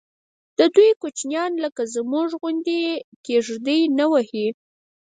ددوی کوچیان لکه زموږ غوندې کېږدۍ نه وهي.